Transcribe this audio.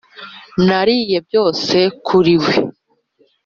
nariye byose kuri we.